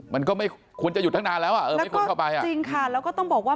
มันก็ไม่ควรจะหยุดทั้งนานแล้วแล้วก็จริงค่ะแล้วก็ต้องบอกว่า